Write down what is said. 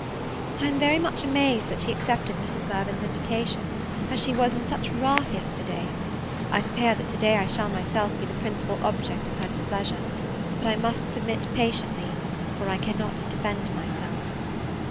I am very much amazed that she accepted Mrs. Mirvan's invitation, as she was in such wrath yesterday. I fear that to day I shall myself be the principal object of her displeasure; but I must submit patiently, for I cannot defend myself.